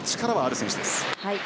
力はある選手です。